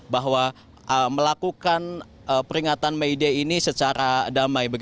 bahwa melakukan peringatan may day ini secara damai